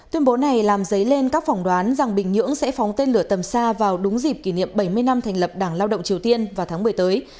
tuyên bố này làm dấy lên các phỏng đoán rằng bình nhưỡng sẽ phóng tên lửa tầm xa vào đúng dịp kỷ niệm bảy mươi năm thành lập đảng lao động triều tiên vào tháng một mươi tới